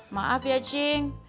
maaf ya cing